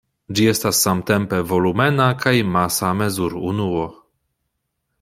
Ĝi estas samtempe volumena kaj masa mezurunuo.